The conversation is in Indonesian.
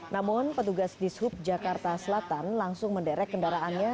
namun petugas dishub jakarta selatan langsung menderek kendaraannya